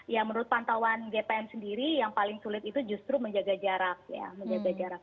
ya menurut pantauan gpm sendiri yang paling sulit itu justru menjaga jarak